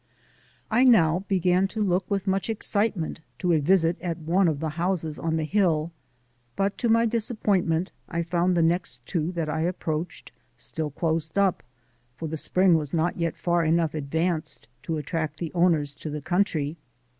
I now began to look with much excitement to a visit at one of the houses on the hill, but to my disappointment I found the next two that I approached still closed up, for the spring was not yet far enough advanced to attract the owners to the country.